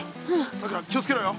さくら気をつけろよ。